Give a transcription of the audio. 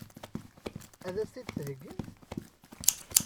Ad as-t-id-theggimt?